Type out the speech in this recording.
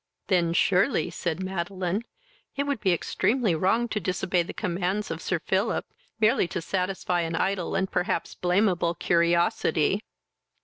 "Then, surely, (said Madeline,) it would be extremely wrong to disobey the commands of Sir Philip, merely to satisfy an idle and perhaps blamable curiosity."